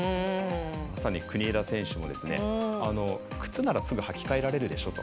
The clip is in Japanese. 国枝選手も靴ならすぐ履き替えられるでしょと。